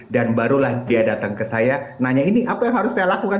dan barulah dia datang ke saya nanya ini apa yang harus saya lakukan